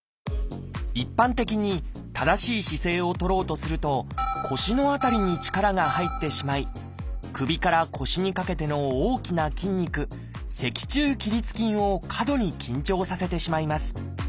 一般的に正しい姿勢をとろうとすると腰の辺りに力が入ってしまい首から腰にかけての大きな筋肉脊柱起立筋を過度に緊張させてしまいます。